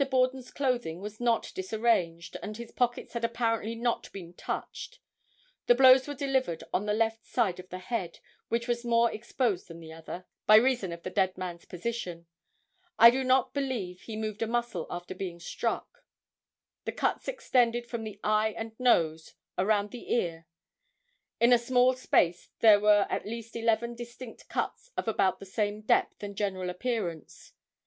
Borden's clothing was not disarranged, and his pockets had apparently not been touched. The blows were delivered on the left side of the head, which was more exposed than the other, by reason of the dead man's position. I do not believe he moved a muscle after being struck. The cuts extended from the eye and nose around the ear. In a small space there were at least eleven distinct cuts of about the same depth and general appearance.